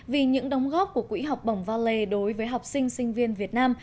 vì những đóng góp của quỹ học bổng valet đối với học sinh sinh viên việt nam